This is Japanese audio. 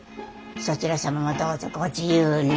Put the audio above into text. そちら様もどうぞご自由に。